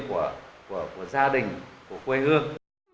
của gia đình của quê hương